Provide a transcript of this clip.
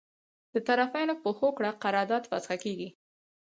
د طرفینو په هوکړه قرارداد فسخه کیږي.